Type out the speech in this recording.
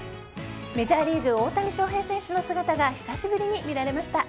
メジャーリーグ大谷翔平選手の姿が久しぶりに見られました。